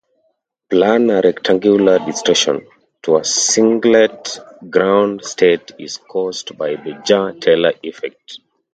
Planar, rectangular distortion to a singlet ground state is caused by the Jahn-Teller effect.